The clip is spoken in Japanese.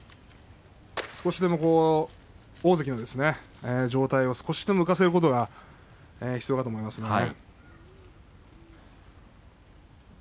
少しでも大関の上体を浮かせることが必要だと思います。